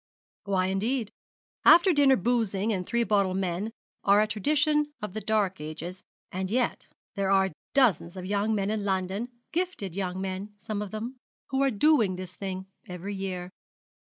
'Why, indeed? After dinner boozing and three bottle men are a tradition of the dark ages; and yet there are dozens of young men in London gifted young men some of them who are doing this thing every year.